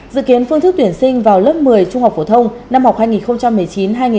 dự kiến phương thức tuyển sinh vào lớp một mươi trung học phổ thông năm học hai nghìn một mươi chín hai nghìn hai mươi